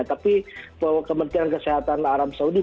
tapi kementerian kesehatan arab saudi